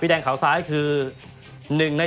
พี่แดงก็พอสัมพันธ์พูดเลยนะครับ